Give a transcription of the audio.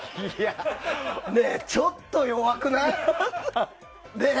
ちょっと弱くない？